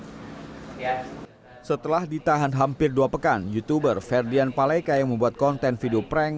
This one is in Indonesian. hai setelah ditahan hampir dua pekan youtuber ferdian paleka yang membuat konten video prank